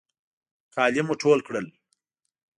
کالي مو ټول کړل.